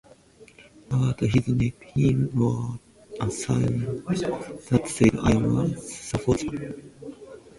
About his neck, he wore a sign that said "I am a saboteur".